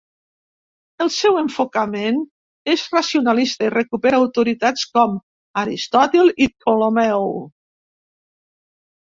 El seu enfocament és racionalista i recupera autoritats com Aristòtil i Ptolemeu.